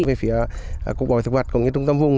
về phía cục bảo thực vật và trung tâm vùng